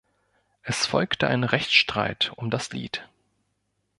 Es folgte ein Rechtsstreit um das Lied.